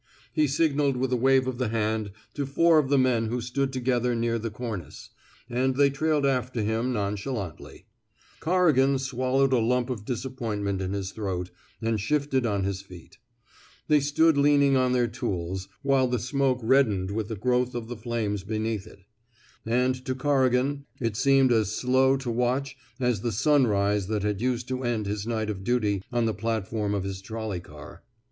He signalled with a wave of the hand to four of the men who stood together near the cornice, and they trailed after him non chalantly. Corrigan swallowed a lump of 161 r THE SMOKE EATERS disappointment in his throat and shifted on his feet. They stood leaning on their tools, while the smoke reddened with the growth of the flames beneath it; and to Corrigan it seemed as slow to watch as the sunrise that had used to end his night of duty on the platform of his trolley car.